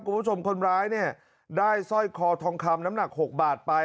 คุณผู้ชมคนร้ายเนี่ยได้สร้อยคอทองคำน้ำหนัก๖บาทไป